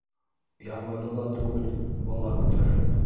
Яңғыҙы ла түгел - бала күтәреп.